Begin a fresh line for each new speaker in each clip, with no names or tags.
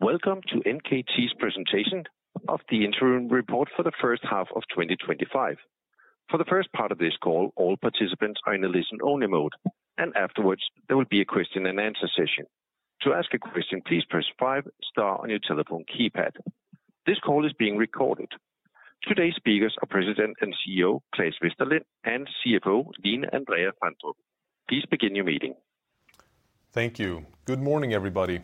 Welcome to NKT's presentation of the interim report for the first half of 2025. For the first part of this call, all participants are in a listen-only mode, and afterwards, there will be a question and answer session. To ask a question, please press five star on your telephone keypad. This call is being recorded. Today's speakers are President and CEO Claes Westerlind and CFO Line Andrea Fandrup. Please begin your meeting.
Thank you. Good morning, everybody,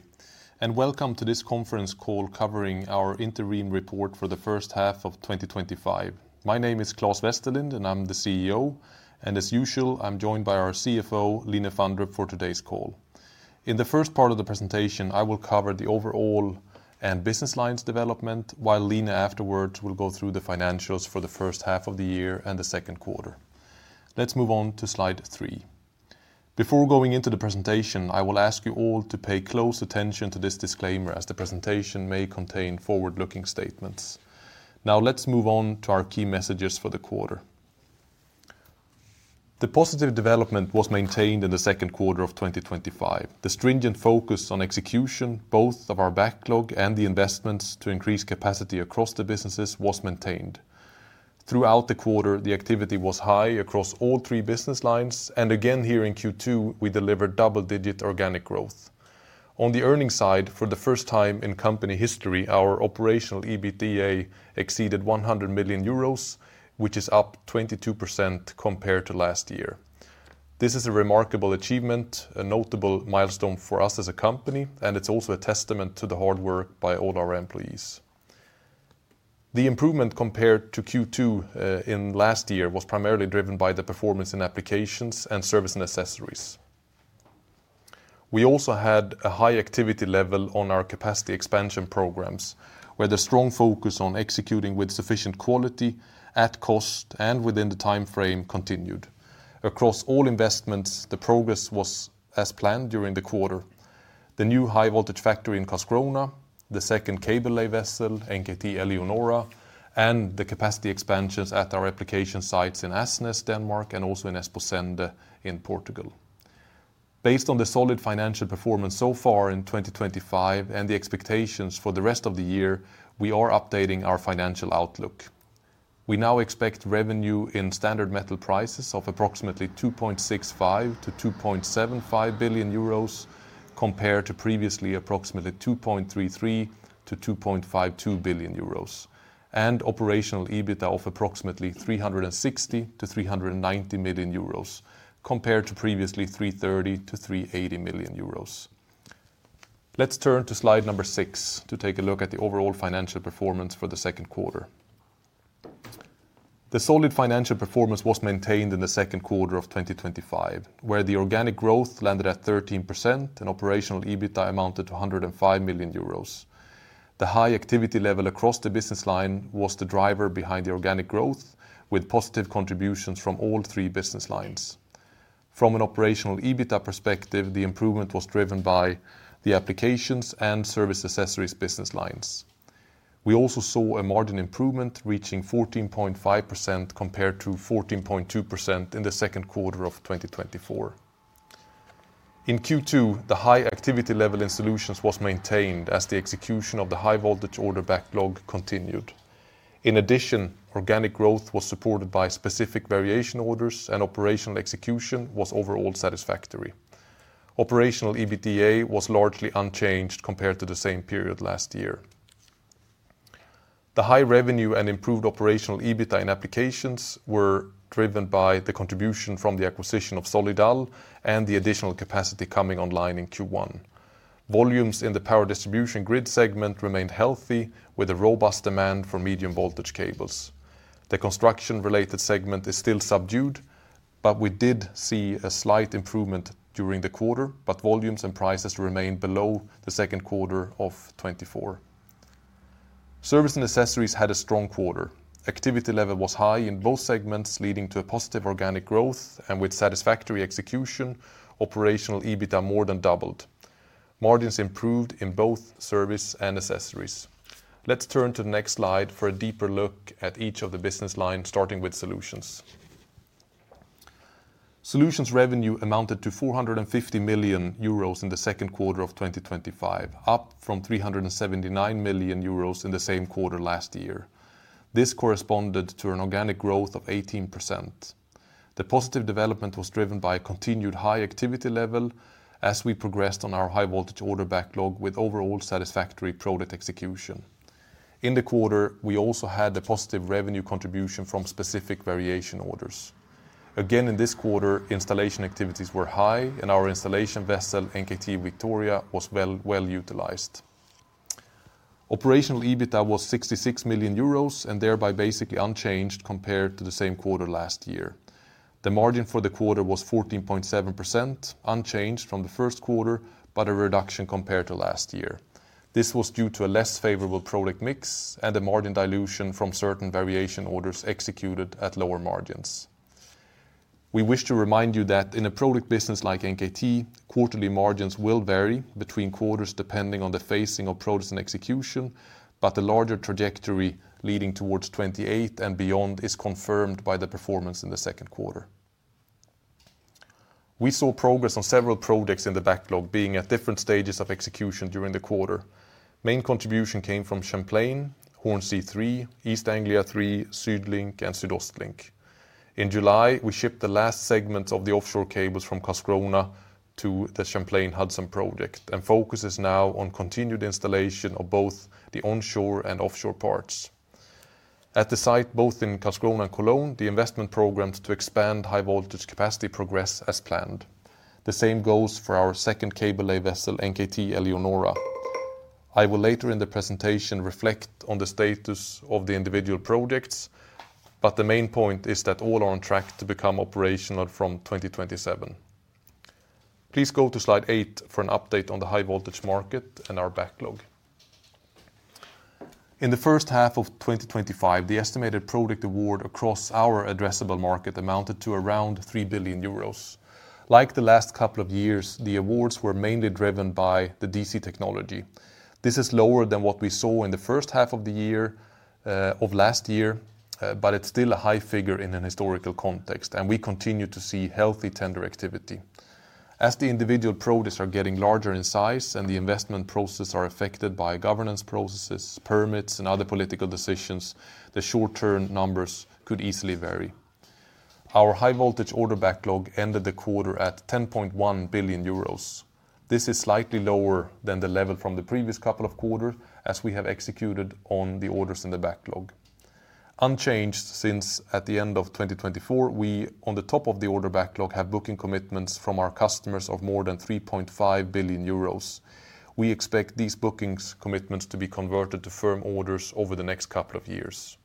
and welcome to this conference call covering our interim report for the first half of 2025. My name is Claes Westerlind and I'm the CEO, and as usual, I'm joined by our CFO Line Andrea Fandrup for today's call. In the first part of the presentation, I will cover the overall and business lines development, while Line, afterwards, will go through the financials for the first half of the year and the second quarter. Let's move on to slide three. Before going into the presentation, I will ask you all to pay close attention to this disclaimer as the presentation may contain forward-looking statements. Now, let's move on to our key messages for the quarter. The positive development was maintained in the second quarter of 2025. The stringent focus on execution, both of our backlog and the investments to increase capacity across the businesses, was maintained. Throughout the quarter, the activity was high across all three business lines, and again here in Q2, we delivered double-digit organic growth. On the earnings side, for the first time in company history, our Operational EBITDA exceeded 100 million euros, which is up 22% compared to last year. This is a remarkable achievement, a notable milestone for us as a company, and it's also a testament to the hard work by all our employees. The improvement compared to Q2 in last year was primarily driven by the performance in Applications and Service & Accessories. We also had a high activity level on our capacity expansion programs, where the strong focus on executing with sufficient quality at cost and within the timeframe continued. Across all investments, the progress was as planned during the quarter: the new high-voltage factory in Karlskrona, the second cable-lay vessel, NKT Eleonora, and the capacity expansions at our Applications sites in Asnæs, Denmark, and also in Esposende in Portugal. Based on the solid financial performance so far in 2025 and the expectations for the rest of the year, we are updating our financial outlook. We now expect revenue in standard metal prices of approximately 2.65 billion-2.75 billion euros compared to previously approximately 2.33 billion-2.52 billion euros, and Operational EBITDA of approximately 360 million-390 million euros compared to previously 330 million-380 million euros. Let's turn to slide number six to take a look at the overall financial performance for the second quarter. The solid financial performance was maintained in the second quarter of 2025, where the organic growth landed at 13% and Operational EBITDA amounted to 105 million euros. The high activity level across the business line was the driver behind the organic growth, with positive contributions from all three business lines. From an Operational EBITDA perspective, the improvement was driven by the Applications and Service & Accessories business lines. We also saw a margin improvement reaching 14.5% compared to 14.2% in the second quarter of 2024. In Q2, the high activity level in Solutions was maintained as the execution of the high-voltage order backlog continued. In addition, organic growth was supported by specific Variation orders, and operational execution was overall satisfactory. Operational EBITDA was largely unchanged compared to the same period last year. The high revenue and improved Operational EBITDA in Applications were driven by the contribution from the acquisition of Solidal and the additional capacity coming online in Q1. Volumes in the power distribution grid segment remained healthy, with a robust demand for medium voltage cables. The construction-related segment is still subdued, but we did see a slight improvement during the quarter, but volumes and prices remain below the second quarter of 2024. Service & Accessories had a strong quarter. Activity level was high in both segments, leading to a positive organic growth, and with satisfactory execution, Operational EBITDA more than doubled. Margins improved in both Service and Accessories. Let's turn to the next slide for a deeper look at each of the business lines, starting with Solutions. Solutions revenue amounted to 450 million euros in the second quarter of 2025, up from 379 million euros in the same quarter last year. This corresponded to an organic growth of 18%. The positive development was driven by a continued high activity level as we progressed on our high-voltage order backlog with overall satisfactory product execution. In the quarter, we also had a positive revenue contribution from specific Variation orders. Again, in this quarter, installation activities were high, and our installation vessel, NKT Victoria, was well utilized. Operational EBITDA was 66 million euros and thereby basically unchanged compared to the same quarter last year. The margin for the quarter was 14.7%, unchanged from the first quarter, but a reduction compared to last year. This was due to a less favorable product mix and the margin dilution from certain Variation orders executed at lower margins. We wish to remind you that in a product business like NKT, quarterly margins will vary between quarters depending on the phasing of products and execution, but the larger trajectory leading towards 2028 and beyond is confirmed by the performance in the second quarter. We saw progress on several projects in the backlog being at different stages of execution during the quarter. Main contribution came from Champlain, Hornsea 3, East Anglia 3, SuedLink, and SuedOstLink. In July, we shipped the last segments of the offshore cables from Karlskrona to the Champlain Hudson project, and focus is now on continued installation of both the onshore and offshore parts. At the site both in Karlskrona and Cologne, the investment program to expand high-voltage capacity progresses as planned. The same goes for our second cable-lay vessel, NKT Eleonora. I will later in the presentation reflect on the status of the individual projects, but the main point is that all are on track to become operational from 2027. Please go to slide eight for an update on the high-voltage market and our backlog. In the first half of 2025, the estimated product award across our addressable market amounted to around 3 billion euros. Like the last couple of years, the awards were mainly driven by the DC Technology. This is lower than what we saw in the first half of the year of last year, but it's still a high figure in a historical context, and we continue to see healthy tender activity. As the individual products are getting larger in size and the investment processes are affected by governance processes, permits, and other political decisions, the short-term numbers could easily vary. Our high-voltage order backlog ended the quarter at 10.1 billion euros. This is slightly lower than the level from the previous couple of quarters as we have executed on the orders in the backlog. Unchanged since at the end of 2024, we on the top of the order backlog have booking commitments from our customers of more than 3.5 billion euros. We expect these booking commitments to be converted to firm orders over the next couple of years.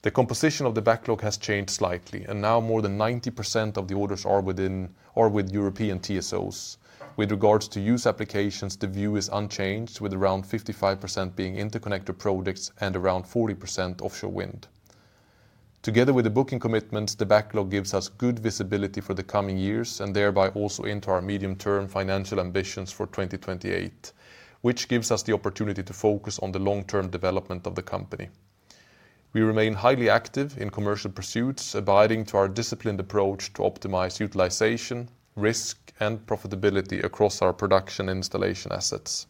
The composition of the backlog has changed slightly, and now more than 90% of the orders are within or with European TSOs. With regards to use applications, the view is unchanged, with around 55% being interconnector products and around 40% offshore wind. Together with the booking commitments, the backlog gives us good visibility for the coming years and thereby also into our medium-term financial ambitions for 2028, which gives us the opportunity to focus on the long-term development of the company. We remain highly active in commercial pursuits, abiding to our disciplined approach to optimize utilization, risk, and profitability across our production and installation assets.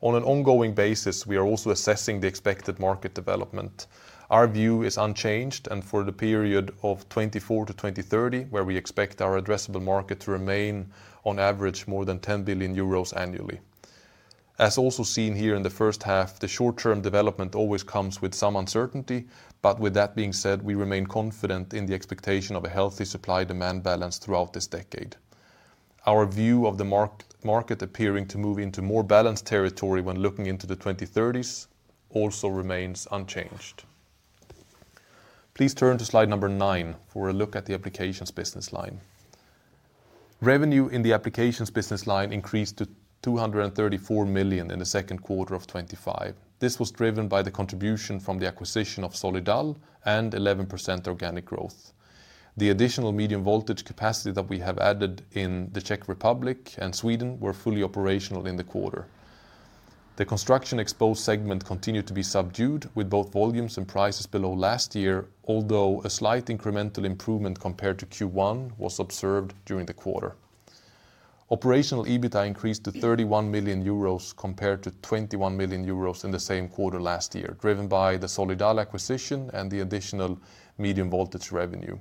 On an ongoing basis, we are also assessing the expected market development. Our view is unchanged and for the period of 2024-2030, where we expect our addressable market to remain on average more than 10 billion euros annually. As also seen here in the first half, the short-term development always comes with some uncertainty. With that being said, we remain confident in the expectation of a healthy supply-demand balance throughout this decade. Our view of the market appearing to move into more balanced territory when looking into the 2030s also remains unchanged. Please turn to slide number nine for a look at the Applications business line. Revenue in the Applications business line increased to 234 million in the second quarter of 2025. This was driven by the contribution from the acquisition of Solidal and 11% organic growth. The additional medium voltage capacity that we have added in the Czech Republic and Sweden was fully operational in the quarter. The construction-exposed segment continued to be subdued with both volumes and prices below last year, although a slight incremental improvement compared to Q1 was observed during the quarter. Operational EBITDA increased to 31 million euros compared to 21 million euros in the same quarter last year, driven by the Solidal acquisition and the additional medium voltage revenue.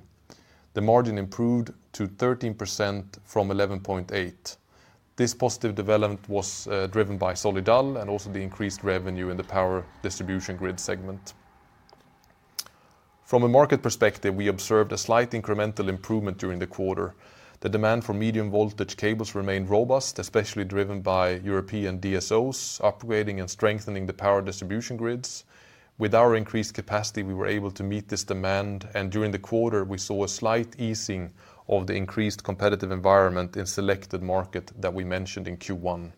The margin improved to 13% from 11.8%. This positive development was driven by Solidal and also the increased revenue in the power distribution grid segment. From a market perspective, we observed a slight incremental improvement during the quarter. The demand for medium voltage cables remained robust, especially driven by European DSOs upgrading and strengthening the power distribution grids. With our increased capacity, we were able to meet this demand, and during the quarter, we saw a slight easing of the increased competitive environment in selected markets that we mentioned in Q1.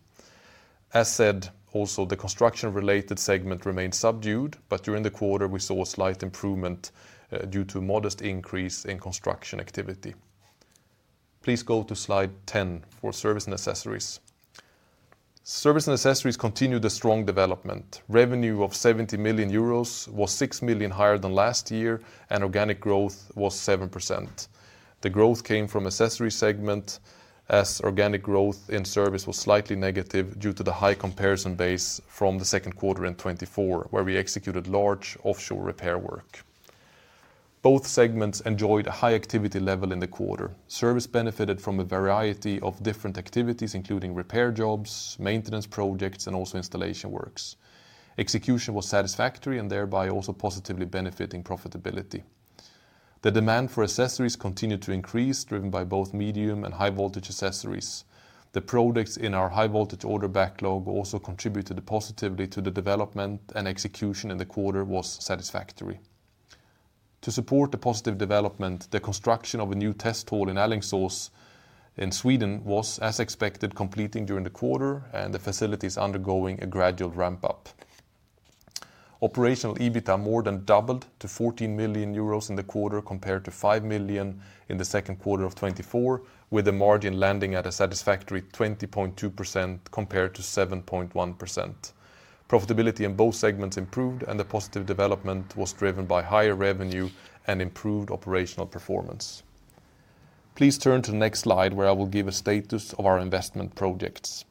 As said, also the construction-related segment remained subdued, but during the quarter, we saw a slight improvement due to a modest increase in construction activity. Please go to slide 10 for Service & Accessories. Service & Accessories continued the strong development. Revenue of 70 million euros was 6 million higher than last year, and organic growth was 7%. The growth came from the Accessories segment, as organic growth in Service was slightly negative due to the high comparison base from the second quarter in 2024, where we executed large offshore repair work. Both segments enjoyed a high activity level in the quarter. Service benefited from a variety of different activities, including repair jobs, maintenance projects, and also installation works. Execution was satisfactory and thereby also positively benefiting profitability. The demand for Accessories continued to increase, driven by both Medium and High Voltage Accessories. The products in our high-voltage order backlog also contributed positively to the development, and execution in the quarter was satisfactory. To support the positive development, the construction of a new test hall in Alingsås in Sweden was, as expected, completing during the quarter, and the facility is undergoing a gradual ramp-up. Operational EBITDA more than doubled to 14 million euros in the quarter compared to 5 million in the second quarter of 2024, with the margin landing at a satisfactory 20.2% compared to 7.1%. Profitability in both segments improved, and the positive development was driven by higher revenue and improved operational performance. Please turn to the next slide where I will give a status of our investment projects.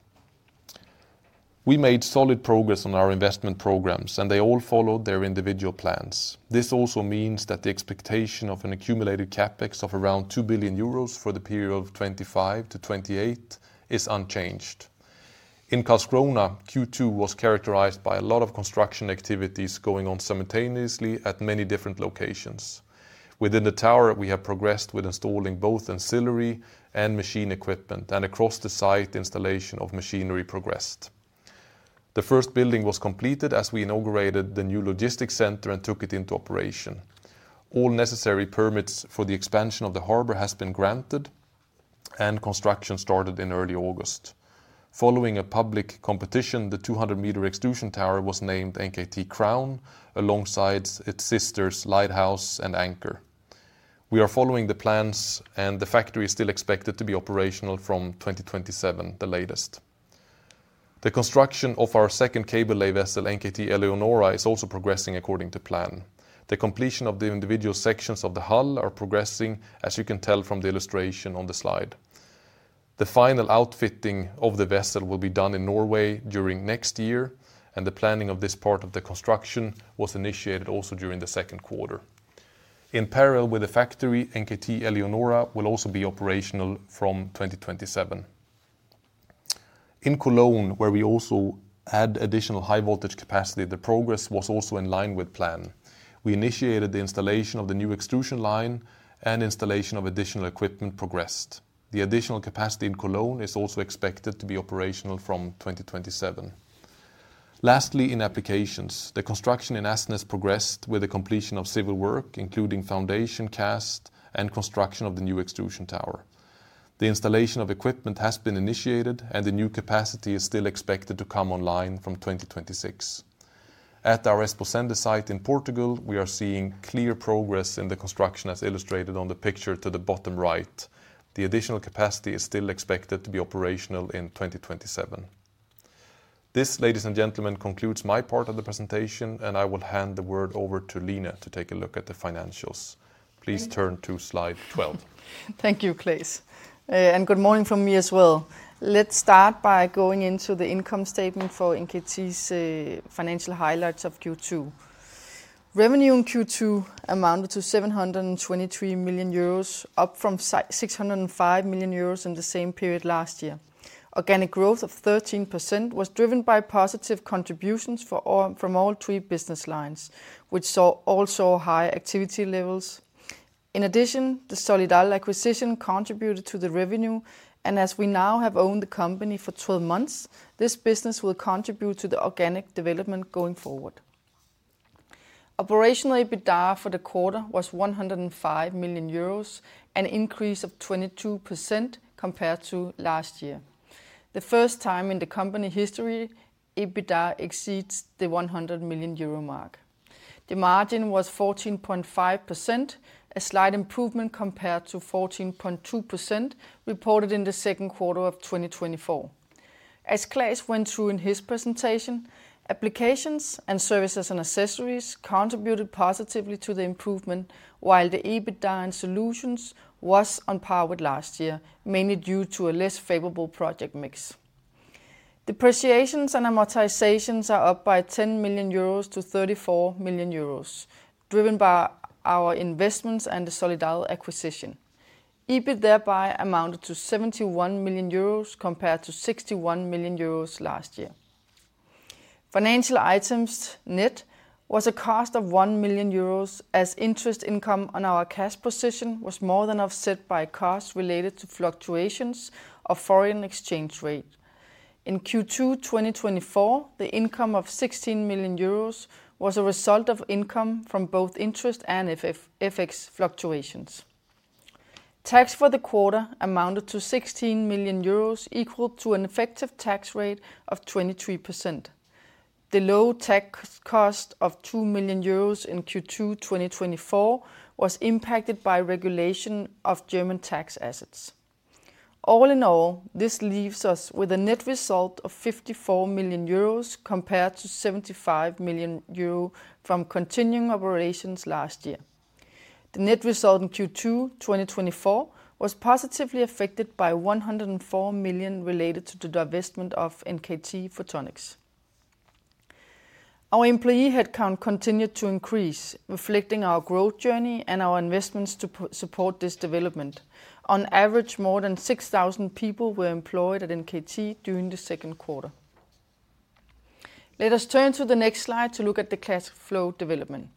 We made solid progress on our investment programs, and they all followed their individual plans. This also means that the expectation of an accumulated CapEx of around 2 billion euros for the period of 2025-2028 is unchanged. In Karlskrona, Q2 was characterized by a lot of construction activities going on simultaneously at many different locations. Within the tower, we have progressed with installing both ancillary and machine equipment, and across the site, the installation of machinery progressed. The first building was completed as we inaugurated the new logistics center and took it into operation. All necessary permits for the expansion of the harbor have been granted, and construction started in early August. Following a public competition, the 200-meter extrusion tower was named NKT Crown alongside its sisters, Lighthouse and Anchor. We are following the plans, and the factory is still expected to be operational from 2027, the latest. The construction of our second cable-laying vessel, NKT Eleonora, is also progressing according to plan. The completion of the individual sections of the hull is progressing, as you can tell from the illustration on the slide. The final outfitting of the vessel will be done in Norway during next year, and the planning of this part of the construction was initiated also during the second quarter. In parallel with the factory, NKT Eleonora will also be operational from 2027. In Cologne, where we also added additional high-voltage capacity, the progress was also in line with plan. We initiated the installation of the new extrusion line, and the installation of additional equipment progressed. The additional capacity in Cologne is also expected to be operational from 2027. Lastly, in Applications, the construction in Asnæs progressed with the completion of civil work, including foundation, cast, and construction of the new extrusion tower. The installation of equipment has been initiated, and the new capacity is still expected to come online from 2026. At our Esposende site in Portugal, we are seeing clear progress in the construction as illustrated on the picture to the bottom right. The additional capacity is still expected to be operational in 2027. This, ladies and gentlemen, concludes my part of the presentation, and I will hand the word over to Line to take a look at the financials. Please turn to slide 12.
Thank you, Claes, and good morning from me as well. Let's start by going into the income statement for NKT's financial highlights of Q2. Revenue in Q2 amounted to 723 million euros, up from 605 million euros in the same period last year. Organic growth of 13% was driven by positive contributions from all three business lines, which saw also high activity levels. In addition, the Solidal acquisition contributed to the revenue, and as we now have owned the company for 12 months, this business will contribute to the organic development going forward. Operational EBITDA for the quarter was 105 million euros, an increase of 22% compared to last year. The first time in the company's history, EBITDA exceeds the 100 million euro mark. The margin was 14.5%, a slight improvement compared to 14.2% reported in the second quarter of 2024. As Claes went through in his presentation, Applications and Service & Accessories contributed positively to the improvement, while the EBITDA in Solutions was on par with last year, mainly due to a less favorable project mix. Depreciations and amortizations are up by 10 million-34 million euros, driven by our investments and the Solidal acquisition. EBITDA thereby amounted to 71 million euros compared to 61 million euros last year. Financial items net was a cost of 1 million euros, as interest income on our cash position was more than offset by costs related to fluctuations of the foreign exchange rate. In Q2 2024, the income of 16 million euros was a result of income from both interest and FX fluctuations. Tax for the quarter amounted to 16 million euros, equal to an effective tax rate of 23%. The low tax cost of 2 million euros in Q2 2024 was impacted by regulation of German tax assets. All in all, this leaves us with a net result of 54 million euros compared to 75 million euro from continuing operations last year. The net result in Q2 2024 was positively affected by 104 million related to the divestment of NKT Photonics. Our employee headcount continued to increase, reflecting our growth journey and our investments to support this development. On average, more than 6,000 people were employed at NKT during the second quarter. Let us turn to the next slide to look at the cash flow development.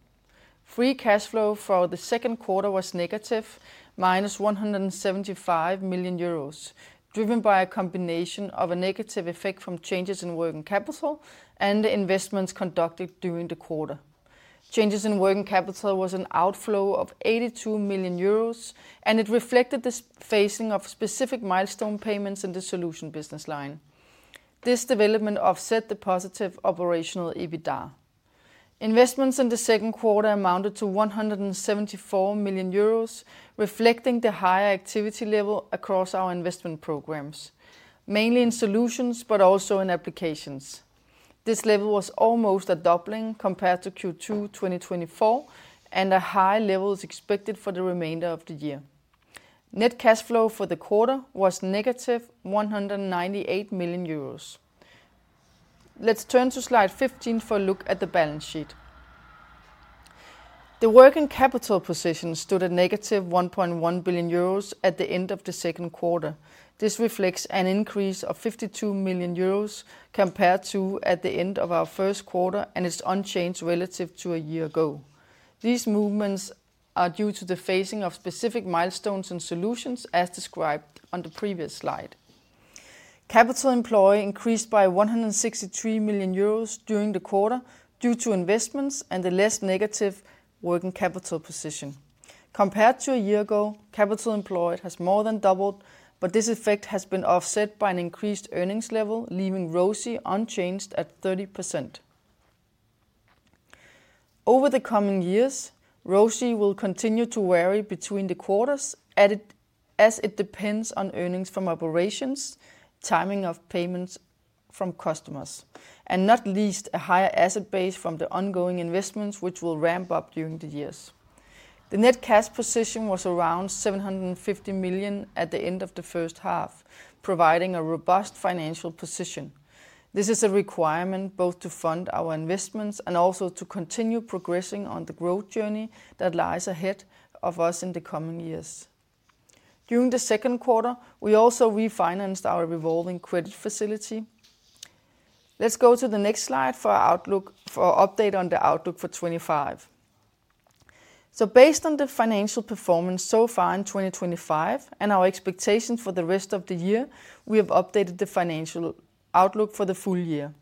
Free cash flow for the second quarter was negative, +175 million euros, driven by a combination of a negative effect from changes in working capital and the investments conducted during the quarter. Changes in working capital was an outflow of 82 million euros, and it reflected the phasing of specific milestone payments in the Solutions business line. This development offset the positive Operational EBITDA. Investments in the second quarter amounted to 174 million euros, reflecting the higher activity level across our investment programs, mainly in Solutions, but also in Applications. This level was almost a doubling compared to Q2 2024, and a high level is expected for the remainder of the year. Net cash flow for the quarter was -198 million euros. Let's turn to slide 15 for a look at the balance sheet. The working capital position stood at -1.1 billion euros at the end of the second quarter. This reflects an increase of 52 million euros compared to at the end of our first quarter, and it's unchanged relative to a year ago. These movements are due to the phasing of specific milestones in Solutions as described on the previous slide. Capital employed increased by 163 million euros during the quarter due to investments and the less negative working capital position. Compared to a year ago, capital employed has more than doubled, but this effect has been offset by an increased earnings level, leaving ROSI unchanged at 30%. Over the coming years, ROSI will continue to vary between the quarters, as it depends on earnings from operations, timing of payments from customers, and not least a higher asset base from the ongoing investments, which will ramp up during the years. The net cash position was around 750 million at the end of the first half, providing a robust financial position. This is a requirement both to fund our investments and also to continue progressing on the growth journey that lies ahead of us in the coming years. During the second quarter, we also refinanced our revolving credit facility. Let's go to the next slide for an update on the outlook for 2025. Based on the financial performance so far in 2025 and our expectations for the rest of the year, we have updated the financial outlook for the full year.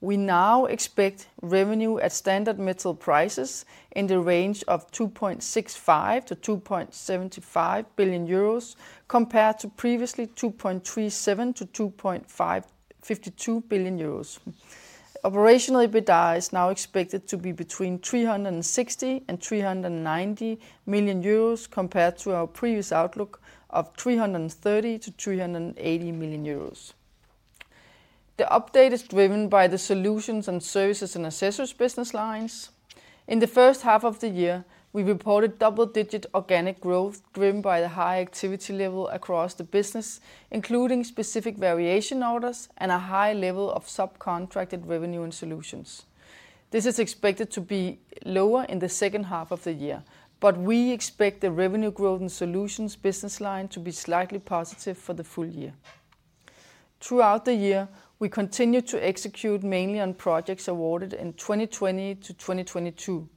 We now expect revenue at standard metal prices in the range of 2.65 billion-2.75 billion euros compared to previously 2.37 billion-2.52 billion euros. Operational EBITDA is now expected to be between 360 million-390 million euros compared to our previous outlook of 330 million-380 million euros. The update is driven by the Solutions and Service & Accessories business lines. In the first half of the year, we reported double-digit organic growth driven by the high activity level across the business, including specific Variation orders and a high level of subcontracted revenue in Solutions. This is expected to be lower in the second half of the year, but we expect the revenue growth in the Solutions business line to be slightly positive for the full year. Throughout the year, we continued to execute mainly on projects awarded in 2022-2022.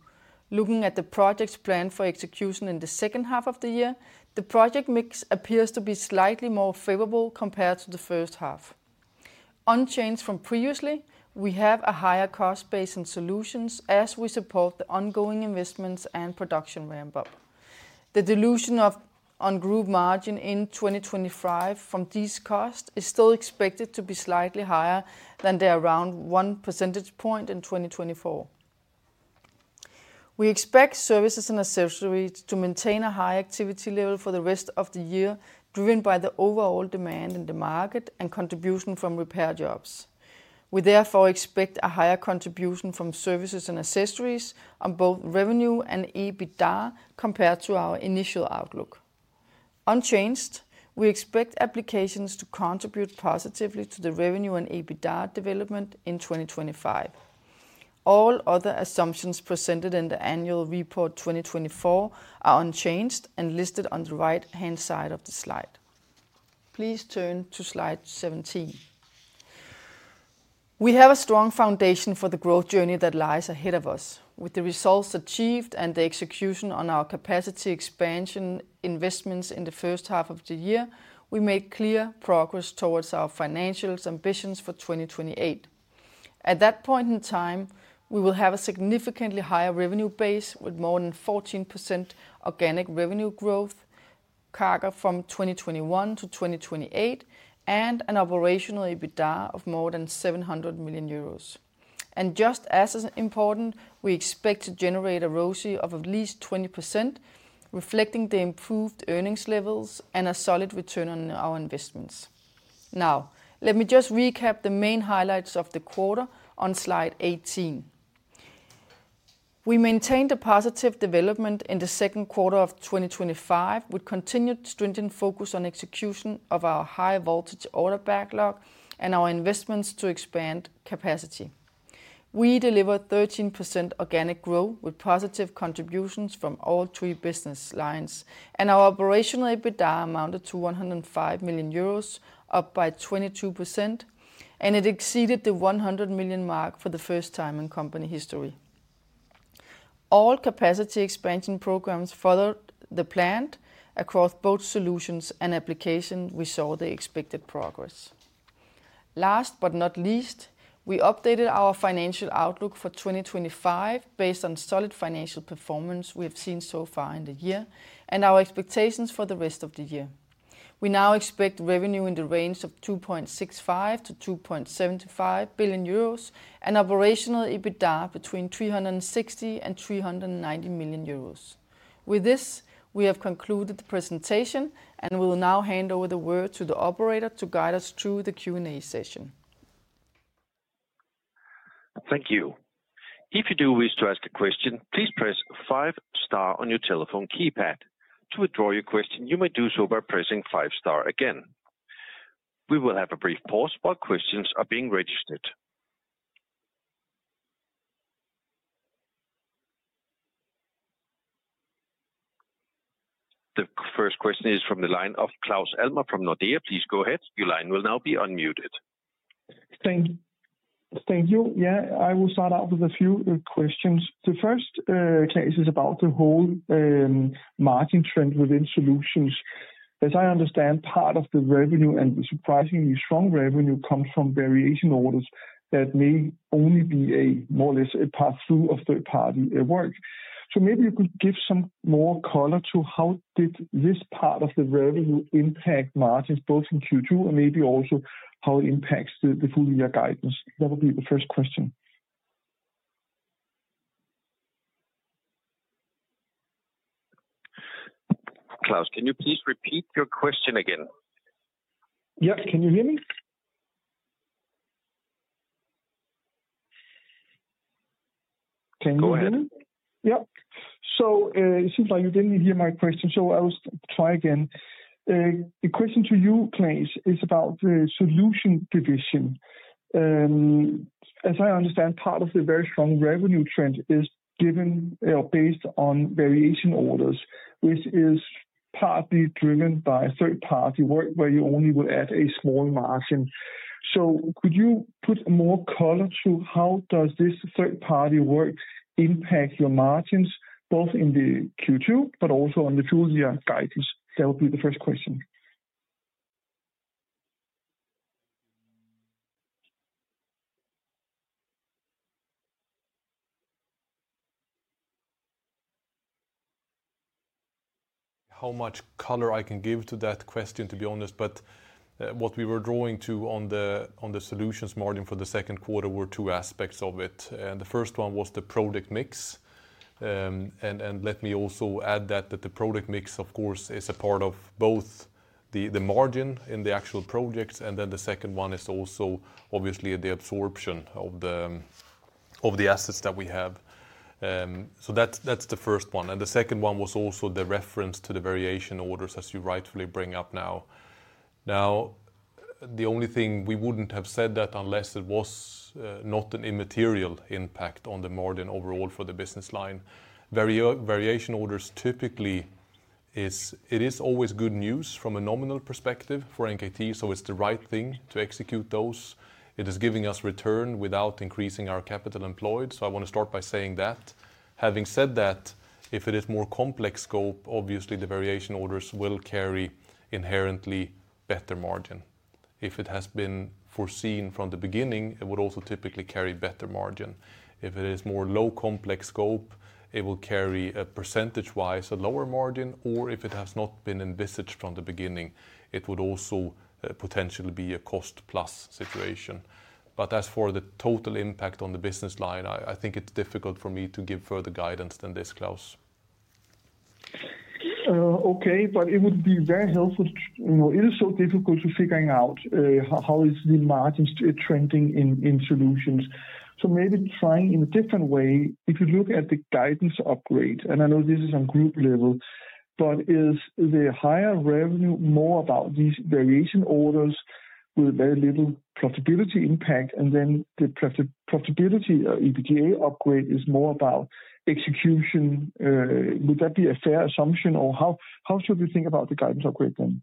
Looking at the projects planned for execution in the second half of the year, the project mix appears to be slightly more favorable compared to the first half. Unchanged from previously, we have a higher cost base in Solutions as we support the ongoing investments and production ramp-up. The dilution of on-group margin in 2025 from these costs is still expected to be slightly higher than the around 1% in 2024. We expect Service & Accessories to maintain a high activity level for the rest of the year, driven by the overall demand in the market and contribution from repair jobs. We therefore expect a higher contribution from Service & Accessories on both revenue and EBITDA compared to our initial outlook. Unchanged, we expect Applications to contribute positively to the revenue and EBITDA development in 2025. All other assumptions presented in the annual report 2024 are unchanged and listed on the right-hand side of the slide. Please turn to slide 17. We have a strong foundation for the growth journey that lies ahead of us. With the results achieved and the execution on our capacity expansion investments in the first half of the year, we make clear progress towards our financial ambitions for 2028. At that point in time, we will have a significantly higher revenue base with more than 14% organic revenue growth, CAGR from 2021-2028, and an Operational EBITDA of more than 700 million euros. Just as important, we expect to generate a ROSI of at least 20%, reflecting the improved earnings levels and a solid return on our investments. Now, let me just recap the main highlights of the quarter on slide 18. We maintained a positive development in the second quarter of 2025 with continued stringent focus on execution of our high-voltage order backlog and our investments to expand capacity. We delivered 13% organic growth with positive contributions from all three business lines, and our Operational EBITDA amounted to 105 million euros, up by 22%, and it exceeded the 100 million mark for the first time in company history. All capacity expansion programs followed the plan across both Solutions and Applications. We saw the expected progress. Last but not least, we updated our financial outlook for 2025 based on solid financial performance we have seen so far in the year and our expectations for the rest of the year. We now expect revenue in the range of 2.65 billion-2.75 billion euros and Operational EBITDA between 360 million and 390 million euros. With this, we have concluded the presentation, and we will now hand over the word to the operator to guide us through the Q&A session.
Thank you. If you do wish to ask a question, please press five star on your telephone keypad. To withdraw your question, you may do so by pressing five star again. We will have a brief pause while questions are being registered. The first question is from the line of Claus Almer from Nordea. Please go ahead. Your line will now be unmuted.
Thank you. Thank you. I will start out with a few questions. The first case is about the whole margin trend within Solutions. As I understand, part of the revenue and surprisingly strong revenue comes from Variation orders that may only be more or less a part through of third-party work. Maybe you could give some more color to how did this part of the revenue impact margins both in Q2 and maybe also how it impacts the full year guidance? That would be the first question.
Claus, can you please repeat your question again?
Can you hear me? Can you hear me? It seems like you didn't hear my question, so I'll try again. The question to you, Claes, is about the Solutions division. As I understand, part of the very strong revenue trend is given or based on Variation orders, which is partly driven by third-party work where you only would add a small margin. Could you put more color to how this third-party work impacts your margins both in Q2 and also on the full year guidance? That would be the first question.
How much color I can give to that question, to be honest, but what we were drawing to on the Solutions margin for the second quarter were two aspects of it. The first one was the product mix. Let me also add that the product mix, of course, is a part of both the margin in the actual projects, and the second one is also obviously the absorption of the assets that we have. That's the first one. The second one was also the reference to the Variation orders, as you rightfully bring up now. The only thing, we wouldn't have said that unless it was not an immaterial impact on the margin overall for the business line. Variation orders typically are always good news from a nominal perspective for NKT, so it's the right thing to execute those. It is giving us return without increasing our capital employed, so I want to start by saying that. Having said that, if it is more complex scope, obviously the Variation orders will carry inherently better margin. If it has been foreseen from the beginning, it would also typically carry better margin. If it is more low complex scope, it will carry a %-wise lower margin, or if it has not been envisaged from the beginning, it would also potentially be a cost plus situation. As for the total impact on the business line, I think it's difficult for me to give further guidance than this, Claus.
Okay, it would be very helpful. It is so difficult to figure out how the margins are trending in Solutions. Maybe trying in a different way, if you look at the guidance upgrade, and I know this is on group level, is the higher revenue more about these Variation orders with very little profitability impact, and then the profitability EBITDA upgrade is more about execution? Would that be a fair assumption, or how should we think about the guidance upgrade then?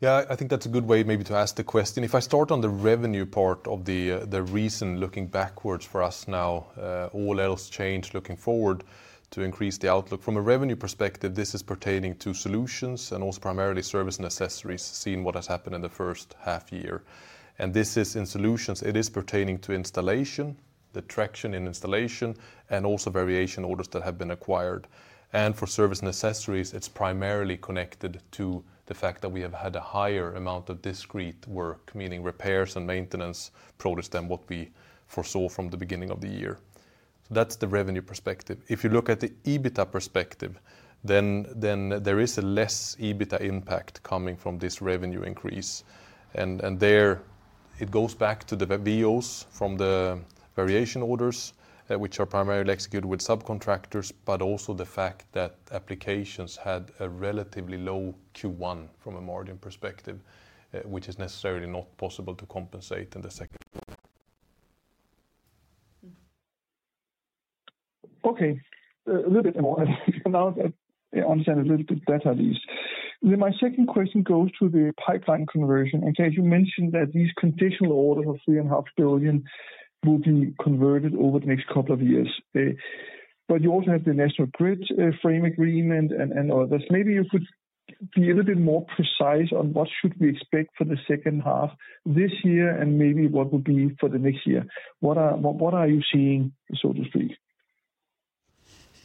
Yeah, I think that's a good way maybe to ask the question. If I start on the revenue part of the reason looking backwards for us now, all else changed looking forward to increase the outlook. From a revenue perspective, this is pertaining to Solutions and also primarily Service & Accessories, seeing what has happened in the first half year. This is in Solutions. It is pertaining to installation, the traction in installation, and also Variation orders that have been acquired. For Service & Accessories, it's primarily connected to the fact that we have had a higher amount of discrete work, meaning repairs and maintenance produced than what we foresaw from the beginning of the year. That's the revenue perspective. If you look at the EBITDA perspective, then there is a less EBITDA impact coming from this revenue increase. There, it goes back to the VOs from the Variation orders, which are primarily executed with subcontractors, but also the fact that Applications had a relatively low Q1 from a margin perspective, which is necessarily not possible to compensate in the second.
Okay, a little bit more. I think you're now understanding a little bit better these. My second question goes to the pipeline conversion. As you mentioned that these conditional orders of 3.5 billion will be converted over the next couple of years. You also have the National Grid frame agreement and others. Maybe you could be a little bit more precise on what should we expect for the second half this year and maybe what will be for the next year. What are you seeing, so to speak?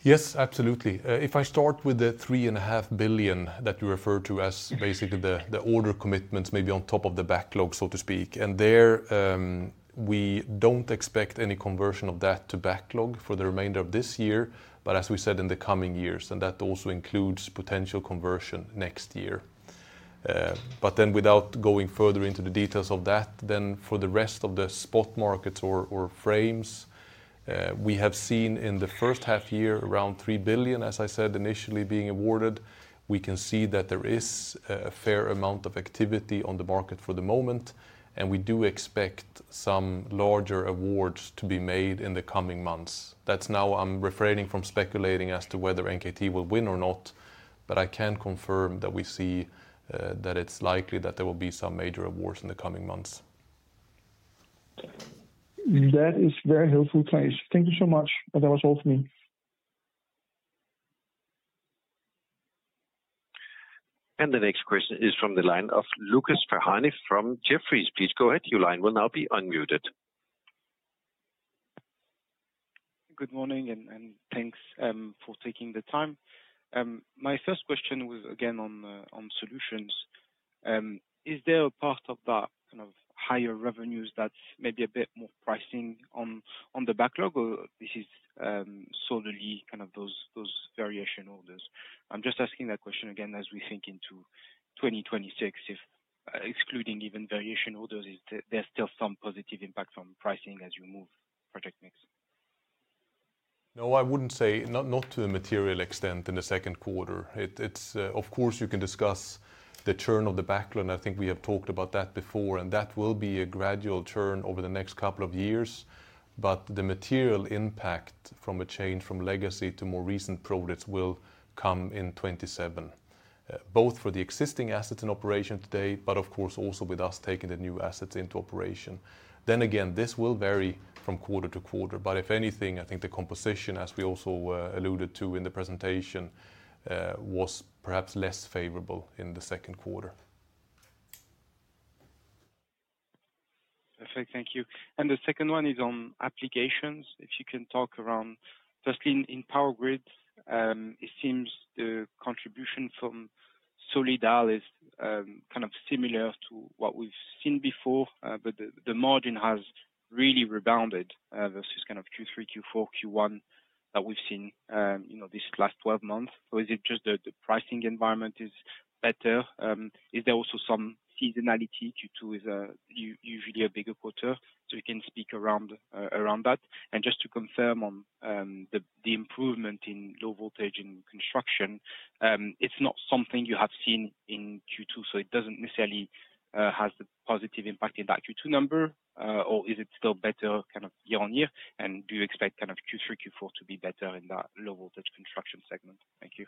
Yes, absolutely. If I start with the 3.5 billion that you refer to as basically the order commitments, maybe on top of the backlog, so to speak. There, we don't expect any conversion of that to backlog for the remainder of this year, but as we said, in the coming years, and that also includes potential conversion next year. Without going further into the details of that, for the rest of the spot markets or frames, we have seen in the first half year around 3 billion, as I said, initially being awarded. We can see that there is a fair amount of activity on the market for the moment, and we do expect some larger awards to be made in the coming months. I'm refraining from speculating as to whether NKT will win or not, but I can confirm that we see that it's likely that there will be some major awards in the coming months.
That is very helpful, Claes. Thank you so much. That was all for me.
The next question is from the line of Lucas Ferhani from Jefferies. Please go ahead. Your line will now be unmuted.
Good morning, and thanks for taking the time. My first question was again on Solutions. Is there a part of that kind of higher revenues that's maybe a bit more pricing on the backlog, or this is solely kind of those Variation orders? I'm just asking that question again as we think into 2026, if excluding even Variation orders, if there's still some positive impact on pricing as you move product mix.
No, I wouldn't say not to a material extent in the second quarter. Of course, you can discuss the churn of the backlog. I think we have talked about that before, and that will be a gradual churn over the next couple of years. The material impact from a change from legacy to more recent products will come in 2027, both for the existing assets in operation today, but also with us taking the new assets into operation. This will vary from quarter to quarter, but if anything, I think the composition, as we also alluded to in the presentation, was perhaps less favorable in the second quarter.
Perfect, thank you. The second one is on Applications. If you can talk around, firstly, in Power Grids, it seems the contribution from Solidal is kind of similar to what we've seen before, but the margin has really rebounded versus Q3, Q4, Q1 that we've seen in these last 12 months. Is it just that the pricing environment is better? Is there also some seasonality? Q2 is usually a bigger quarter, so you can speak around that. Just to confirm on the improvement in Low Voltage in construction, it's not something you have seen in Q2, so it doesn't necessarily have the positive impact in that Q2 number, or is it still better year on year? Do you expect Q3, Q4 to be better in that Low Voltage construction segment? Thank you.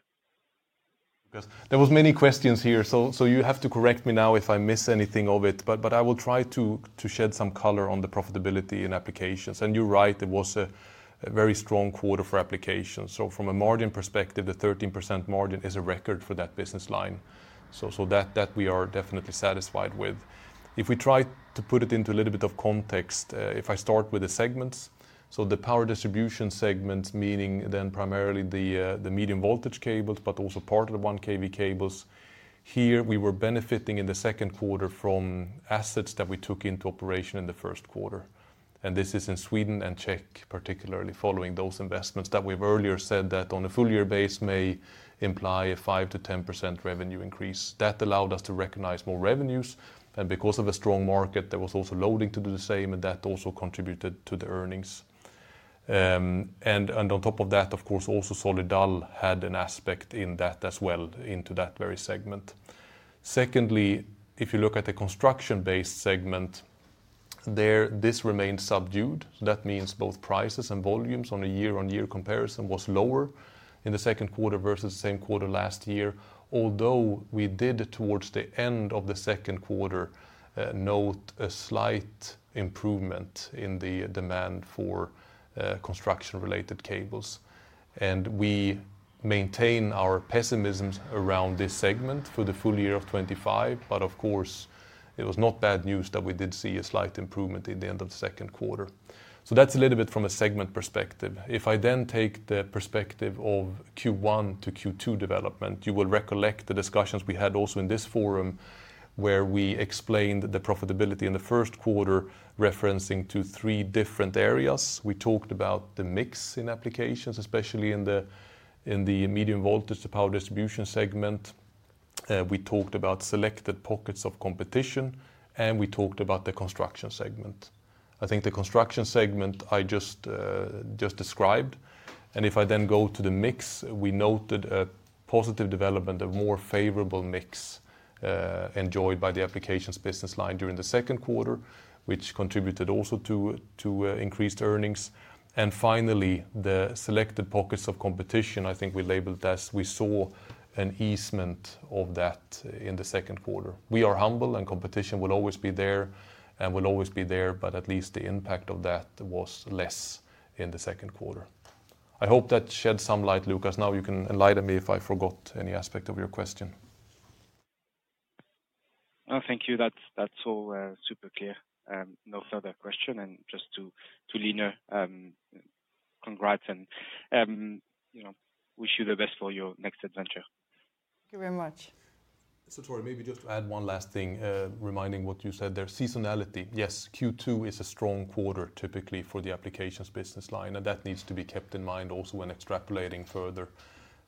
There were many questions here, so you have to correct me now if I miss anything of it, but I will try to shed some color on the profitability in Applications. You're right, it was a very strong quarter for Applications. From a margin perspective, the 13% margin is a record for that business line, so that we are definitely satisfied with. If we try to put it into a little bit of context, if I start with the segments, the power distribution segments, meaning then primarily the medium voltage cables, but also part of the 1 kV cables. Here we were benefiting in the second quarter from assets that we took into operation in the first quarter. This is in Sweden and Czech particularly, following those investments that we've earlier said that on a full year base may imply a 5%-10% revenue increase. That allowed us to recognize more revenues. Because of a strong market, there was also loading to do the same, and that also contributed to the earnings. On top of that, of course, also Solidal had an aspect in that as well, into that very segment. If you look at the construction-based segment, this remains subdued. That means both prices and volumes on a year-on-year comparison were lower in the second quarter versus the same quarter last year, although we did towards the end of the second quarter note a slight improvement in the demand for construction-related cables. We maintain our pessimism around this segment for the full year of 2025, but of course, it was not bad news that we did see a slight improvement at the end of the second quarter. That's a little bit from a segment perspective. If I then take the perspective of Q1 to Q2 development, you will recollect the discussions we had also in this forum where we explained the profitability in the first quarter, referencing three different areas. We talked about the mix in Applications, especially in the Medium Voltage to power distribution segment. We talked about selected pockets of competition, and we talked about the construction segment. I think the construction segment I just described, and if I then go to the mix, we noted a positive development, a more favorable mix enjoyed by the Applications business line during the second quarter, which contributed also to increased earnings. Finally, the selected pockets of competition, I think we labeled as we saw an easement of that in the second quarter. We are humble, and competition will always be there and will always be there, but at least the impact of that was less in the second quarter. I hope that shed some light, Lucas. Now you can enlighten me if I forgot any aspect of your question.
No, thank you. That's all super clear. No further question. Just to Line, congrats and wish you the best for your next adventure.
Thank you very much.
Tori, maybe just to add one last thing, reminding what you said there, seasonality. Yes, Q2 is a strong quarter typically for the Applications business line, and that needs to be kept in mind also when extrapolating further.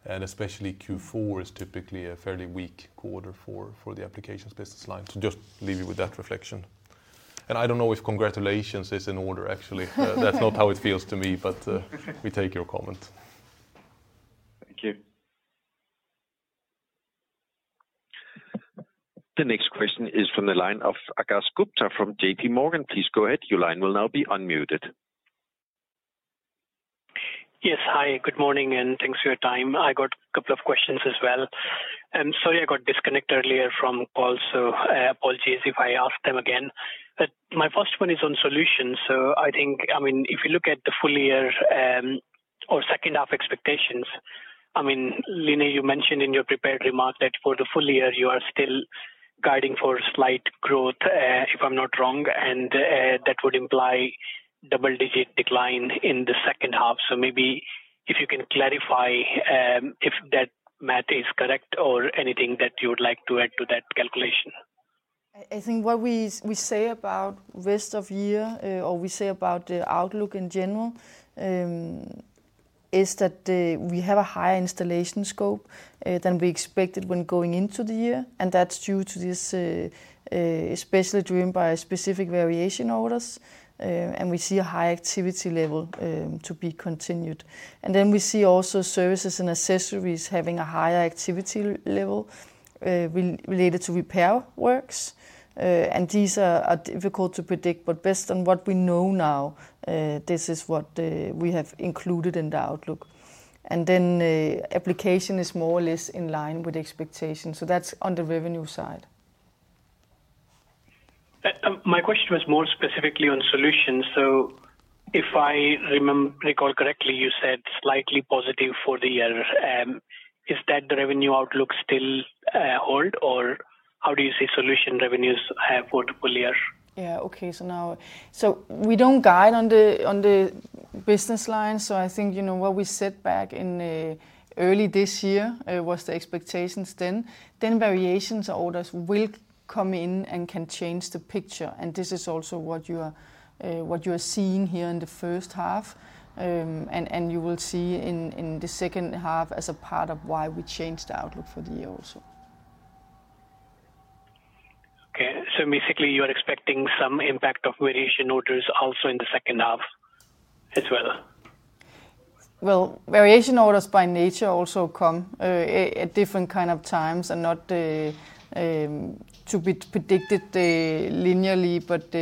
Especially Q4 is typically a fairly weak quarter for the Applications business line. Just leave you with that reflection. I don't know if congratulations is in order, actually. That's not how it feels to me, but we take your comment.
Thank you.
The next question is from the line of Akash Gupta from JPMorgan. Please go ahead. Your line will now be unmuted.
Yes, hi. Good morning and thanks for your time. I got a couple of questions as well. I'm sorry I got disconnected earlier from calls, so I apologize if I ask them again. My first one is on Solutions. If you look at the full year or second half expectations, Line, you mentioned in your prepared remark that for the full year you are still guiding for slight growth, if I'm not wrong, and that would imply double-digit decline in the second half. Maybe if you can clarify if that math is correct or anything that you would like to add to that calculation.
I think what we say about the rest of the year, or we say about the outlook in general, is that we have a higher installation scope than we expected when going into the year, and that's due to this, especially driven by specific Variation orders. We see a high activity level to be continued. We also see Service & Accessories having a higher activity level related to repair works. These are difficult to predict, but based on what we know now, this is what we have included in the outlook. Application is more or less in line with expectations. That's on the revenue side.
My question was more specifically on Solutions. If I recall correctly, you said slightly positive for the year. Is that the revenue outlook still hold, or how do you see Solutions revenues for the full year?
Okay. We don't guide on the business line. I think what we set back in early this year was the expectations then. Variations or orders will come in and can change the picture. This is also what you are seeing here in the first half, and you will see in the second half as a part of why we changed the outlook for the year also.
Okay, so basically you are expecting some impact of Variation orders also in the second half as well.
Variation orders by nature also come at different kinds of times and not to be predicted linearly, but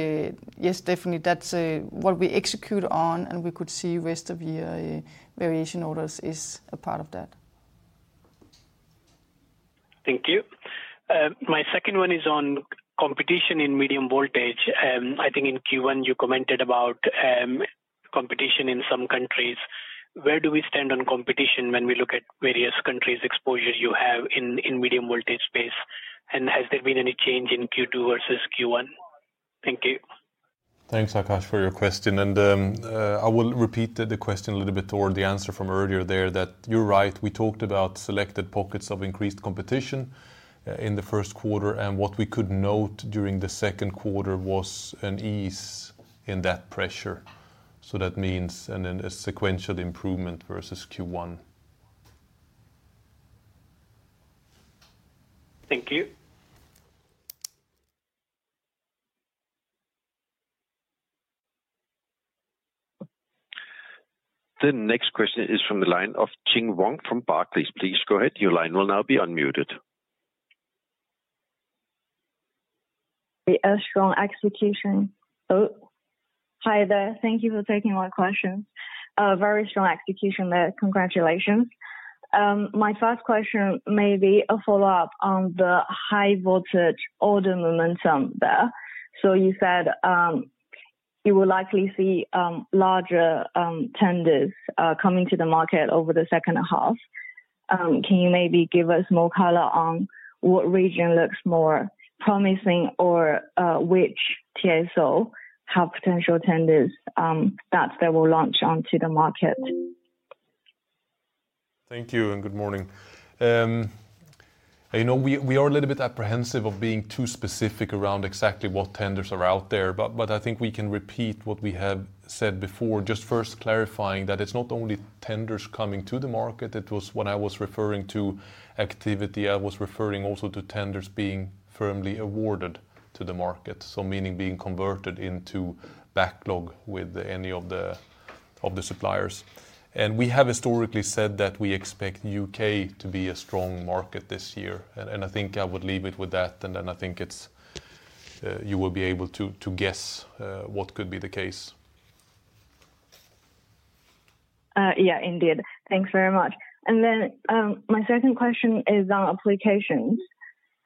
yes, definitely that's what we execute on and we could see the rest of the year Variation orders is a part of that.
Thank you. My second one is on competition in medium voltage. I think in Q1 you commented about competition in some countries. Where do we stand on competition when we look at various countries' exposure you have in medium voltage space? Has there been any change in Q2 versus Q1?
Thanks, Akash, for your question. I will repeat the question a little bit toward the answer from earlier there that you're right. We talked about selected pockets of increased competition in the first quarter, and what we could note during the second quarter was an ease in that pressure. That means a sequential improvement versus Q1.
Thank you.
The next question is from the line of Chi Ming Wong from Barclays. Please go ahead. Your line will now be unmuted.
A strong execution. Thank you for taking my question. A very strong execution there. Congratulations. My first question may be a follow-up on the high-voltage order momentum there. You said you will likely see larger tenders coming to the market over the second half. Can you maybe give us more color on what region looks more promising or which TSOs have potential tenders that they will launch onto the market?
Thank you and good morning. We are a little bit apprehensive of being too specific around exactly what tenders are out there, but I think we can repeat what we have said before, just first clarifying that it's not only tenders coming to the market. When I was referring to activity, I was referring also to tenders being firmly awarded to the market, meaning being converted into backlog with any of the suppliers. We have historically said that we expect the U.K. to be a strong market this year, and I think I would leave it with that. I think you will be able to guess what could be the case.
Yeah, indeed. Thanks very much. My second question is on Applications.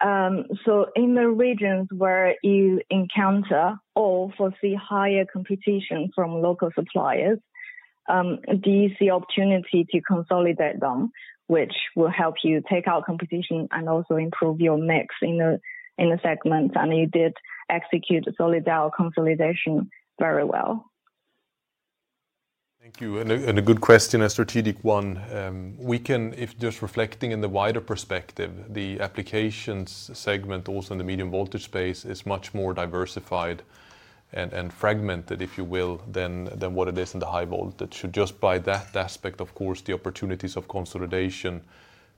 In the regions where you encounter or foresee higher competition from local suppliers, do you see opportunity to consolidate them, which will help you take out competition and also improve your mix in the segments? I know you did execute Solidal consolidation very well.
Thank you. A good question, a strategic one. If just reflecting in the wider perspective, the Applications segment also in the medium voltage space is much more diversified and fragmented, if you will, than what it is in the high voltage. Just by that aspect, of course, the opportunities of consolidation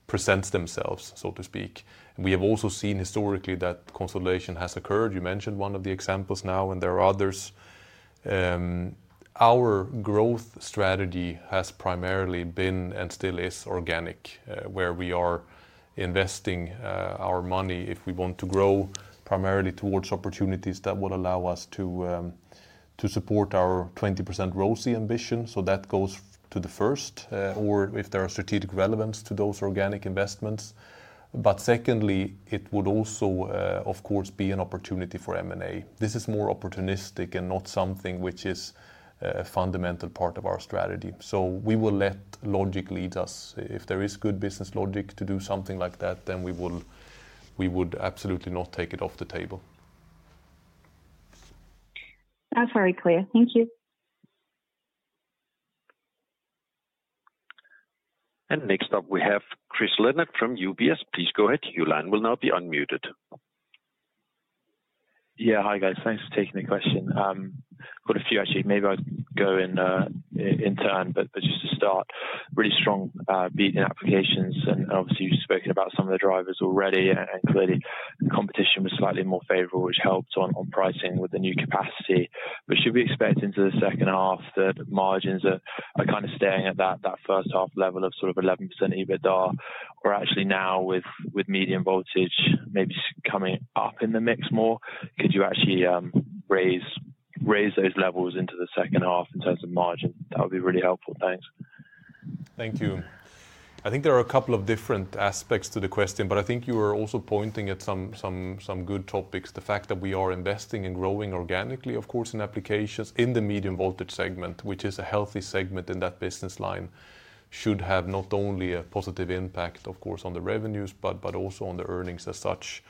present themselves, so to speak. We have also seen historically that consolidation has occurred. You mentioned one of the examples now, and there are others. Our growth strategy has primarily been and still is organic, where we are investing our money if we want to grow primarily towards opportunities that will allow us to support our 20% ROSI ambition. That goes to the first, or if there are strategic relevance to those organic investments. Secondly, it would also, of course, be an opportunity for M&A. This is more opportunistic and not something which is a fundamental part of our strategy. We will let logic lead us. If there is good business logic to do something like that, then we would absolutely not take it off the table.
I'm sorry, Claes. Thank you.
Next up we have Chris Lennert from UBS. Please go ahead. Your line will now be unmuted. Yeah, hi guys. Thanks for taking the question. I've got a few actually. Maybe I'll go in turn, but just to start, really strong beat in Applications, and obviously you've spoken about some of the drivers already, and clearly competition was slightly more favorable, which helped on pricing with the new capacity. Should we expect into the second half that margins are kind of staying at that first half level of sort of 11% EBITDA, or actually now with medium voltage maybe coming up in the mix more? Could you actually raise those levels into the second half in terms of margin? That would be really helpful. Thanks.
Thank you. I think there are a couple of different aspects to the question, but I think you were also pointing at some good topics. The fact that we are investing and growing organically, of course, in Applications in the medium voltage segment, which is a healthy segment in that business line, should have not only a positive impact, of course, on the revenues, but also on the earnings as such,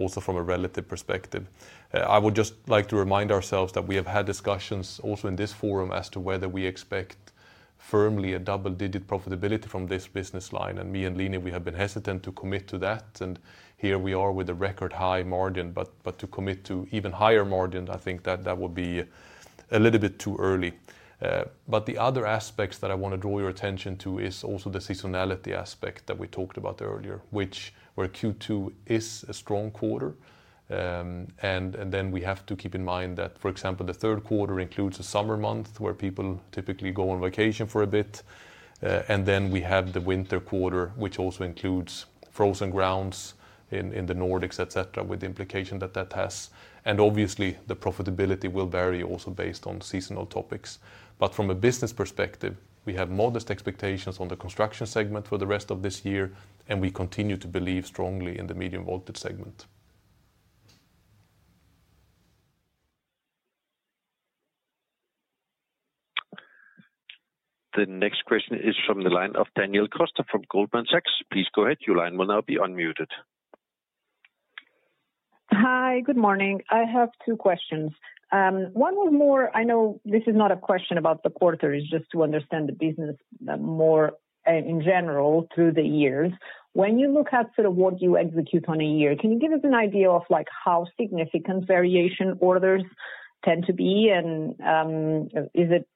also from a relative perspective. I would just like to remind ourselves that we have had discussions also in this forum as to whether we expect firmly a double-digit profitability from this business line, and me and Line, we have been hesitant to commit to that, and here we are with a record high margin, but to commit to even higher margins, I think that that would be a little bit too early. The other aspects that I want to draw your attention to is also the seasonality aspect that we talked about earlier, where Q2 is a strong quarter, and then we have to keep in mind that, for example, the third quarter includes a summer month where people typically go on vacation for a bit, and then we have the winter quarter, which also includes frozen grounds in the Nordics, etc., with the implication that that has. Obviously, the profitability will vary also based on seasonal topics. From a business perspective, we have modest expectations on the construction segment for the rest of this year, and we continue to believe strongly in the medium voltage segment.
The next question is from the line of Daniela Costa from Goldman Sachs. Please go ahead. Your line will now be unmuted.
Hi, good morning. I have two questions. One was more, I know this is not a question about the quarter, it's just to understand the business more in general through the years. When you look at sort of what you execute on a year, can you give us an idea of how significant Variation orders tend to be, and is it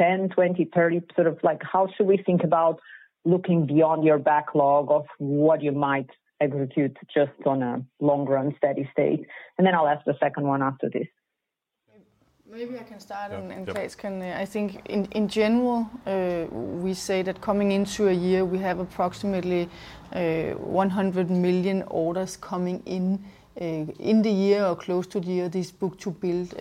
10%, 20%, 30%? How should we think about looking beyond your backlog of what you might execute just on a long-run steady state? I'll ask the second one after this.
Maybe I can start and say, I think in general, we say that coming into a year, we have approximately 100 million orders coming in in the year or close to the year, these book-to-build.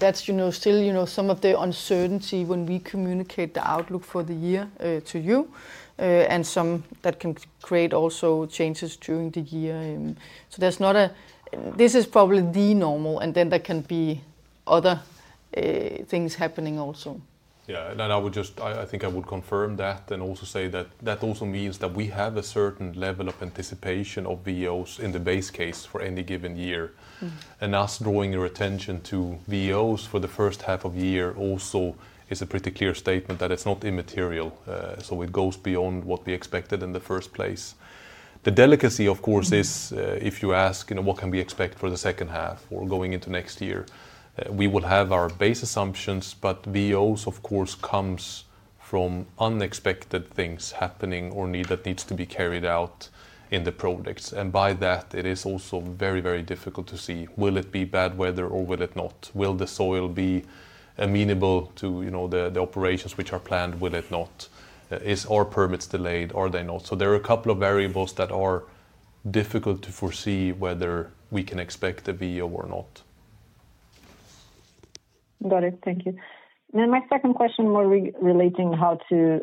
That's still some of the uncertainty when we communicate the outlook for the year to you, and some that can create also changes during the year. That's not a, this is probably the normal, and then there can be other things happening also.
Yeah, I would just confirm that and also say that that also means that we have a certain level of anticipation of VOs in the base case for any given year. Us drawing your attention to VOs for the first half of the year also is a pretty clear statement that it's not immaterial. It goes beyond what we expected in the first place. The delicacy, of course, is if you ask, you know, what can we expect for the second half or going into next year, we will have our base assumptions, but VOs, of course, come from unexpected things happening or need that needs to be carried out in the products. By that, it is also very, very difficult to see, will it be bad weather or will it not? Will the soil be amenable to, you know, the operations which are planned? Will it not? Are our permits delayed? Are they not? There are a couple of variables that are difficult to foresee whether we can expect a VO or not.
Thank you. My second question, more relating to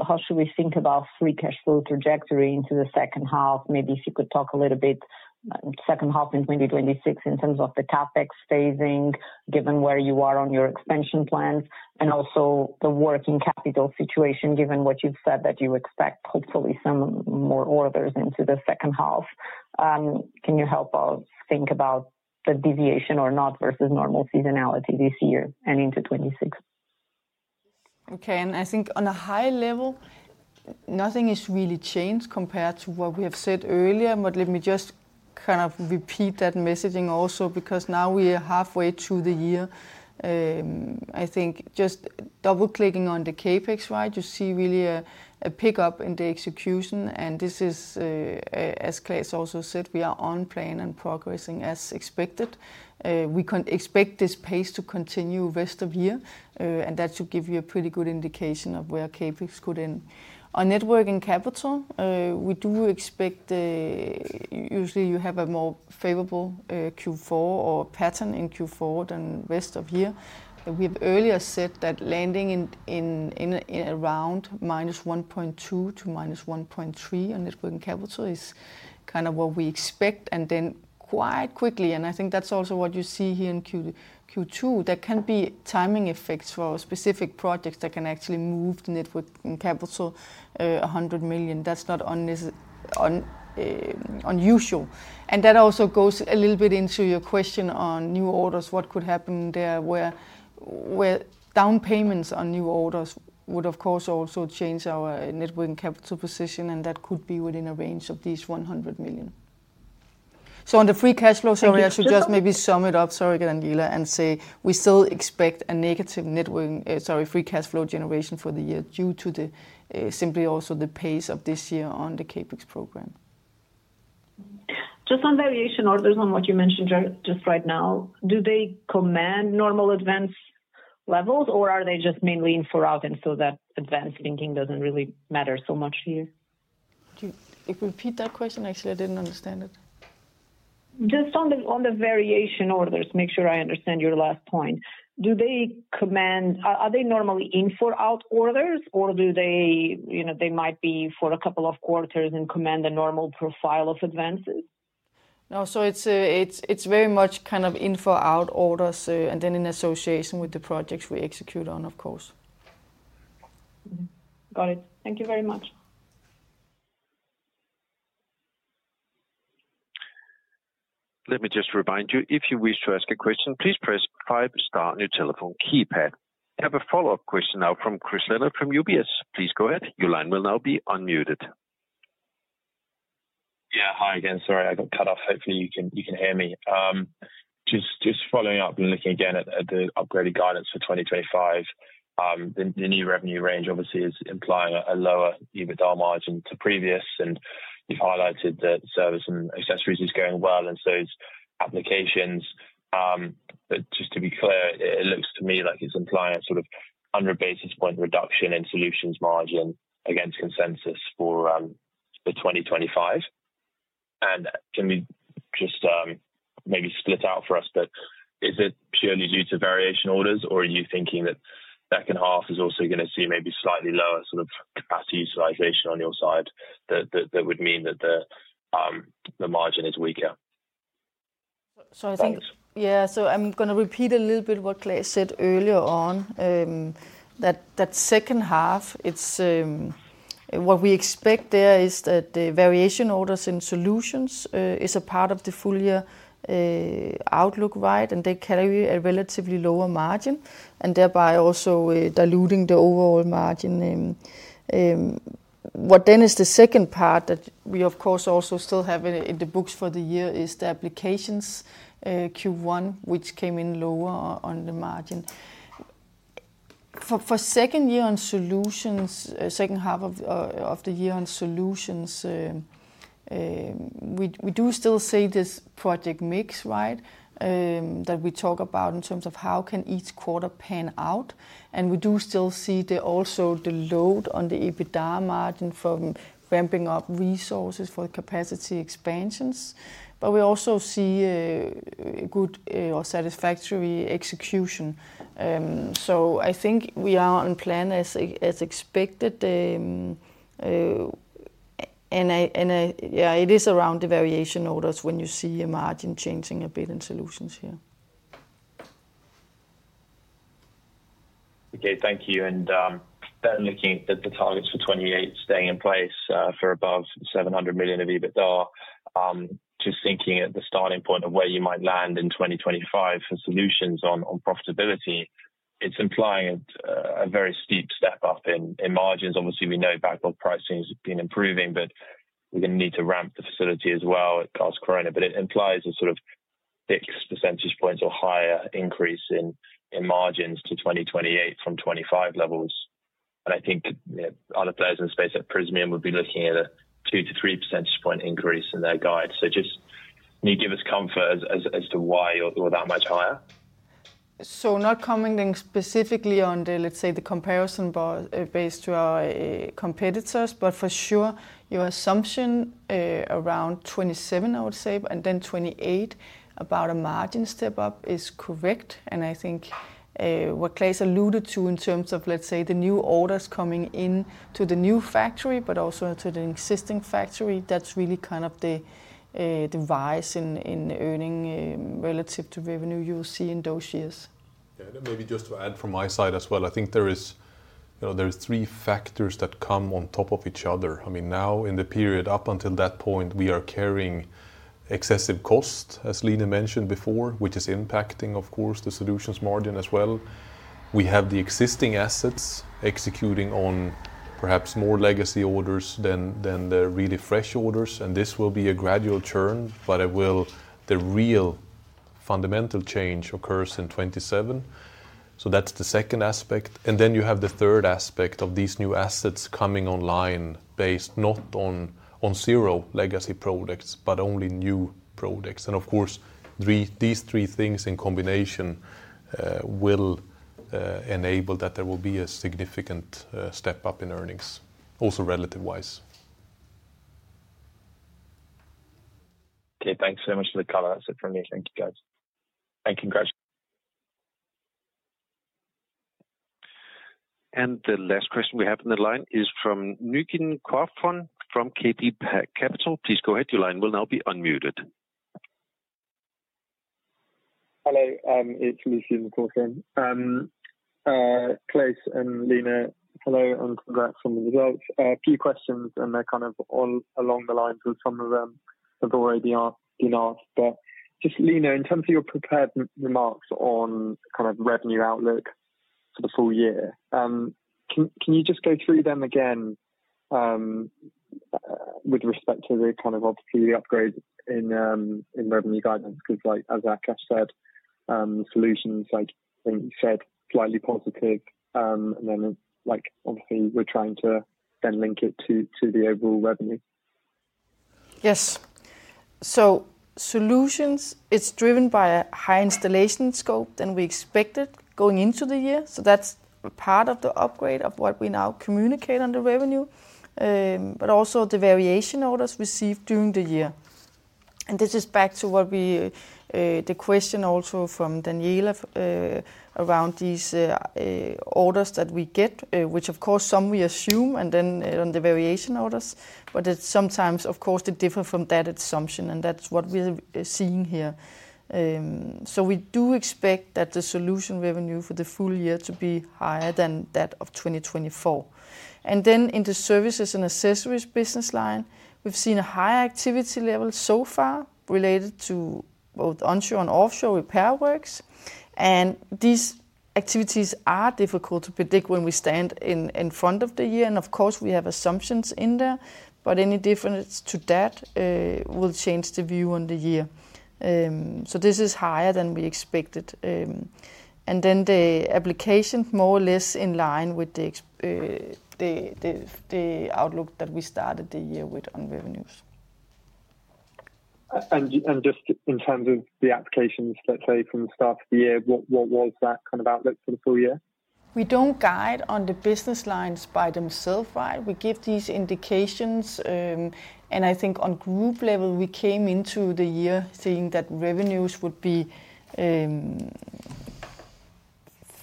how should we think about free cash flow trajectory into the second half. Maybe if you could talk a little bit, the second half in 2026 in terms of the CapEx savings, given where you are on your expansion plans, and also the working capital situation, given what you've said that you expect hopefully some more orders into the second half. Can you help us think about the deviation or not versus normal seasonality this year and into 2026?
Okay, and I think on a high level, nothing has really changed compared to what we have said earlier, but let me just kind of repeat that messaging also because now we are halfway through the year. I think just double-clicking on the CapEx, right, you see really a pickup in the execution, and this is, as Claes also said, we are on plan and progressing as expected. We can expect this pace to continue the rest of the year, and that should give you a pretty good indication of where CapEx could end. On net working capital, we do expect usually you have a more favorable Q4 or pattern in Q4 than the rest of the year. We have earlier said that landing in around -1.2 million to -1.3 million on net working capital is kind of what we expect, and then quite quickly, and I think that's also what you see here in Q2, there can be timing effects for specific projects that can actually move net working capital 100 million. That's not unusual. That also goes a little bit into your question on new orders, what could happen there, where down payments on new orders would, of course, also change our net working capital position, and that could be within a range of these 100 million. On the free cash flows, sorry, I should just maybe sum it up, sorry, Daniela, and say we still expect a negative net working, sorry, free cash flow generation for the year due to the simply also the pace of this year on the CapEx program.
Just on Variation orders on what you mentioned just right now, do they command normal advance levels, or are they just mainly in-for-out, and so that advance linking doesn't really matter so much here?
Could you repeat that question? I didn't understand it.
Just on the Variation orders, make sure I understand your last point. Do they command, are they normally in-for-out orders, or do they, you know, they might be for a couple of quarters and command the normal profile of advances?
No, it's very much kind of in-for-out orders, and then in association with the projects we execute on, of course.
Got it. Thank you very much.
Let me just remind you, if you wish to ask a question, please press five star on your telephone keypad. We have a follow-up question now from Chris Lennert from UBS. Please go ahead. Your line will now be unmuted. Yeah, hi again. Sorry, I got cut off. Hopefully, you can hear me. Just following up and looking again at the upgraded guidance for 2025, the new revenue range obviously is implying a lower EBITDA margin to previous, and you highlighted that Service & Accessories is going well, and so is Applications. Just to be clear, it looks to me like it's implying a sort of under-basis point reduction in Solutions margin against consensus for 2025. Can we just maybe split out for us, but is it purely due to Variation orders, or are you thinking that the second half is also going to see maybe slightly lower sort of capacity utilization on your side that would mean that the margin is weaker?
I think, yeah, I'm going to repeat a little bit what Claes said earlier on, that second half, what we expect there is that the Variation orders in Solutions is a part of the full year outlook, right, and they carry a relatively lower margin, thereby also diluting the overall margin. What then is the second part that we, of course, also still have in the books for the year is the Applications Q1, which came in lower on the margin. For second half of the year on Solutions, we do still see this project mix, right, that we talk about in terms of how can each quarter pan out, and we do still see also the load on the EBITDA margin for ramping up resources for the capacity expansions, but we also see a good or satisfactory execution. I think we are on plan as expected, and yeah, it is around the Variation orders when you see a margin changing a bit in Solutions here. Okay, thank you. Looking at the targets for 2028 staying in place for above 700 million of EBITDA, thinking at the starting point of where you might land in 2025 for Solutions on profitability, it's implying a very steep step up in margins. Obviously, we know backlog pricing has been improving, but we're going to need to ramp the facility as well across Karlskrona. It implies a sort of 6 percentage points or higher increase in margins to 2028 from 2025 levels. I think other players in the space at Prysmian would be looking at a 2 to 3 percentage point increase in their guide. Can you give us comfort as to why you're that much higher? I would say your assumption around '27, and then '28, about a margin step up is correct. I think what Claes alluded to in terms of the new orders coming in to the new factory, but also to the existing factory, that's really kind of the rise in earning relative to revenue you will see in those years.
Yeah, and maybe just to add from my side as well, I think there is, you know, there's three factors that come on top of each other. I mean, now in the period up until that point, we are carrying excessive cost, as Line mentioned before, which is impacting, of course, the Solutions margin as well. We have the existing assets executing on perhaps more legacy orders than the really fresh orders, and this will be a gradual churn, but the real fundamental change occurs in 2027. That's the second aspect. Then you have the third aspect of these new assets coming online based not on zero legacy products, but only new products. Of course, these three things in combination will enable that there will be a significant step up in earnings, also relative wise. Okay, thanks very much for the call. That's it for me. Thank you, guys.
The last question we have in the line is Nucin Korfron from KB Capital. Please go ahead. Your line will now be unmuted. Hello, it's Nucin Korfron. Claes and Line, hello, and congrats on the results. A few questions, and they're kind of all along the lines of some of them that have already been asked. Line, in terms of your prepared remarks on kind of revenue outlook for the full year, can you just go through them again with respect to the kind of obviously the upgrade in revenue guidance? Because like as Akash said, Solutions, like I think you said, slightly positive, and then like obviously we're trying to then link it to the overall revenue.
Yes. Solutions, it's driven by a higher installation scope than we expected going into the year. That's part of the upgrade of what we now communicate on the revenue, but also the Variation orders received during the year. This is back to the question also from Daniela around these orders that we get, which of course some we assume, and then on the Variation orders, but it's sometimes, of course, the difference from that assumption, and that's what we're seeing here. We do expect that the Solutions revenue for the full year to be higher than that of 2024. In the Service & Accessories business line, we've seen a higher activity level so far related to both onshore and offshore repair works, and these activities are difficult to predict when we stand in front of the year. Of course, we have assumptions in there, but any difference to that will change the view on the year. This is higher than we expected. The Applications are more or less in line with the outlook that we started the year with on revenues. In terms of the Applications, let's say from the start of the year, what was that kind of outlook for the full year? We don't guide on the business lines by themselves, right? We give these indications, and I think on group level, we came into the year saying that revenues would be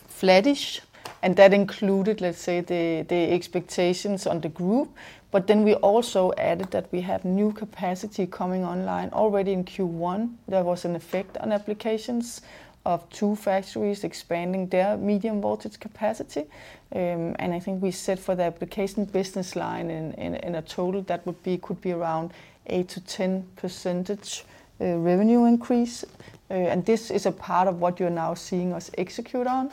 flattish, and that included, let's say, the expectations on the group. We also added that we have new capacity coming online already in Q1. There was an effect on Applications of two factories expanding their medium voltage capacity, and I think we said for the Applications business line in total that would be around 8%-10% revenue increase. This is a part of what you're now seeing us execute on.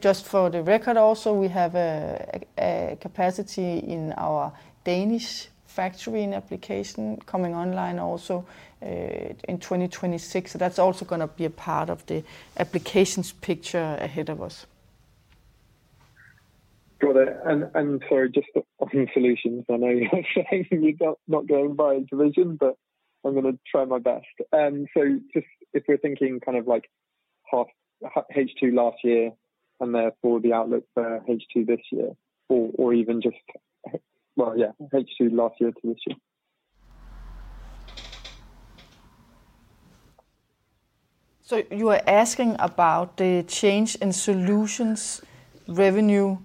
Just for the record, we also have a capacity in our Danish factory in Applications coming online also in 2026. That's also going to be a part of the Applications picture ahead of us. Got it. Sorry, just offering Solutions. I know you're not going by a division, but I'm going to try my best. If we're thinking kind of like half H2 last year, and therefore the outlook for H2 this year, or even just H2 last year to this year. You were asking about the change in Solutions revenue?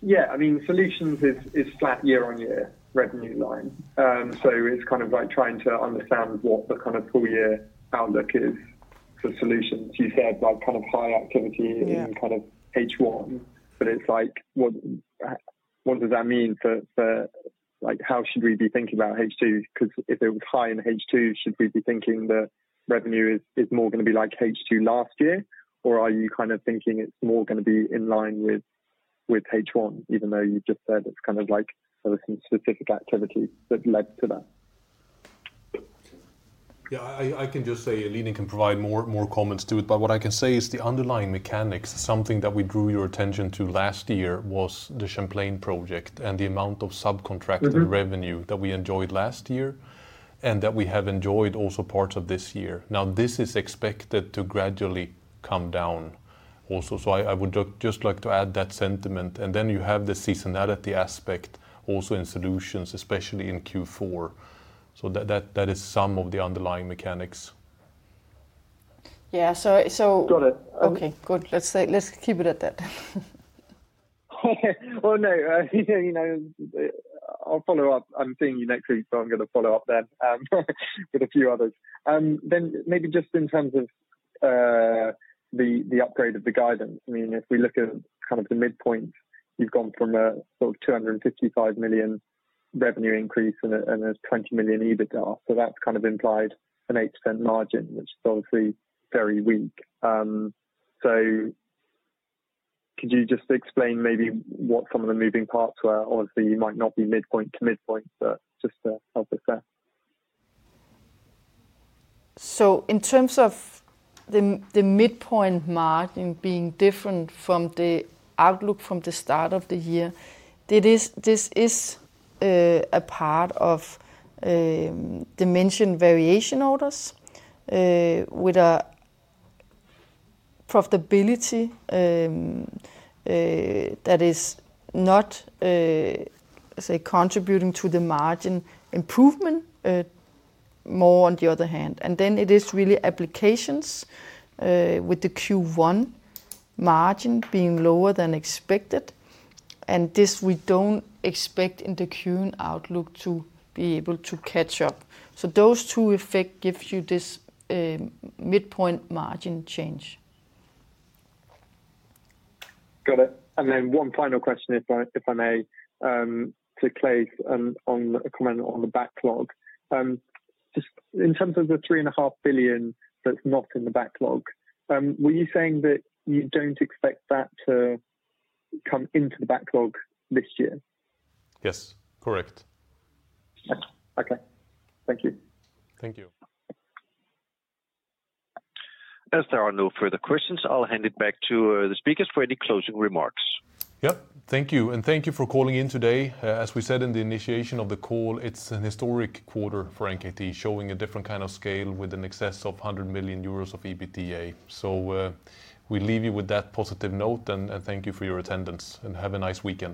Yeah, I mean, Solutions is flat year-on-year revenue line. It's kind of like trying to understand what the kind of full-year outlook is for Solutions. You said like kind of high activity in kind of H1, but it's like, what does that mean for, like, how should we be thinking about H2? Because if it was high in H2, should we be thinking that revenue is more going to be like H2 last year, or are you kind of thinking it's more going to be in line with H1, even though you've just said it's kind of like there were some specific activities that led to that?
Yeah, I can just say Line can provide more comments to it, but what I can say is the underlying mechanics, something that we drew your attention to last year was the Champlain project and the amount of subcontracted revenue that we enjoyed last year and that we have enjoyed also parts of this year. This is expected to gradually come down also, so I would just like to add that sentiment. You have the seasonality aspect also in Solutions, especially in Q4. That is some of the underlying mechanics.
Yeah, so. Got it. Okay, good. Let's keep it at that. I'm seeing you next week, so I'm going to follow up then. I've got a few others. Maybe just in terms of the upgrade of the guidance, I mean, if we look at kind of the midpoint, you've gone from a sort of 255 million revenue increase and a 20 million EBITDA. That's kind of implied an 8% margin, which is obviously very weak. Could you just explain maybe what some of the moving parts were? Obviously, you might not be midpoint to midpoint, but just to help us there. In terms of the midpoint margin being different from the outlook from the start of the year, this is a part of the mentioned Variation orders with a profitability that is not, let's say, contributing to the margin improvement more on the other hand. It is really Applications with the Q1 margin being lower than expected. This we don't expect in the current outlook to be able to catch up. Those two effects give you this midpoint margin change. Got it. One final question if I may, to Claes on the comment on the backlog. Just in terms of the 3.5 billion that's not in the backlog, were you saying that you don't expect that to come into the backlog this year?
Yes, correct. Thank you.
As there are no further questions, I'll hand it back to the speakers for any closing remarks.
Thank you. Thank you for calling in today. As we said in the initiation of the call, it's a historic quarter for NKT, showing a different kind of scale with in excess of 100 million euros of EBITDA. We leave you with that positive note and thank you for your attendance and have a nice weekend.